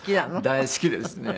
大好きですね。